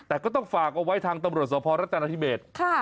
แต่ก็ต้องฝากเอาไว้ทางตำรวจสภรัฐนาธิเบศ